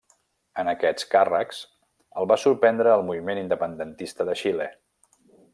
En aquests càrrecs, el va sorprendre el moviment independentista de Xile.